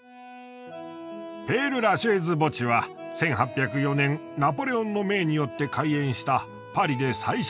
ペール・ラシェーズ墓地は１８０４年ナポレオンの命によって開園したパリで最初の市民霊園です。